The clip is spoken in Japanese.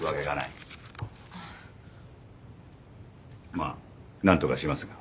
まあ何とかしますが。